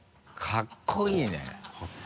かっこいいね。